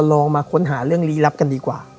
ต้องลองค้นหาเรื่องรีลับกันกัน